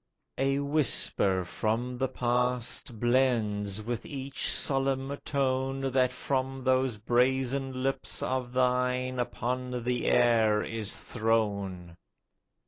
A whisper from the past Blends with each solemn tone That from those brazen lips of thine Upon the air is thrown.